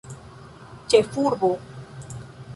ĉefurbo